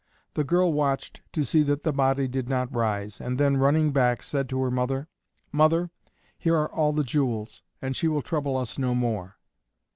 The girl watched to see that the body did not rise, and then, running back, said to her mother, "Mother, here are all the jewels, and she will trouble us no more."